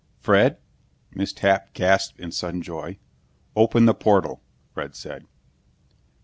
"Fred?" Miss Tapp gasped in sudden joy. "Open the portal," Fred said.